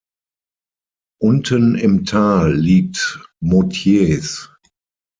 Unten im Tal liegt Môtiers.